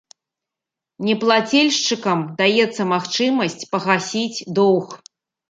Неплацельшчыкам даецца магчымасць пагасіць доўг.